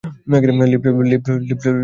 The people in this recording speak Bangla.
লিফট কাজ করছে না।